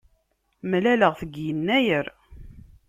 Mlaleɣ-t deg yennayer.